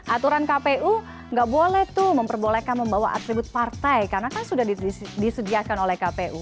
aturan kpu nggak boleh tuh memperbolehkan membawa atribut partai karena kan sudah disediakan oleh kpu